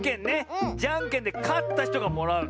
じゃんけんでかったひとがもらう。